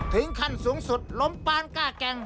ถึงขั้นสูงสุดล้มปานก้าแก่ง